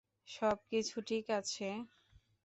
সব কিছুই ঠিক আছে।